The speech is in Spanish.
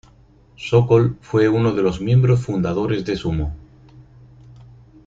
Sokol fue uno de los miembros fundadores de Sumo.